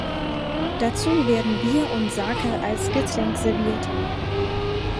Dazu werden Bier und Sake als Getränk serviert.